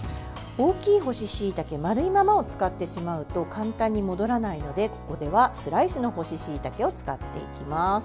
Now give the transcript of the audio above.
大きい干ししいたけ丸いままを使ってしまうと簡単に戻らないので、ここではスライスの干ししいたけを使っていきます。